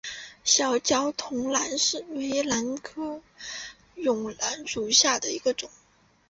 小脚筒兰为兰科绒兰属下的一个种。